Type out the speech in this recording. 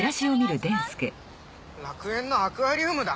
楽園のアクアリウムだ？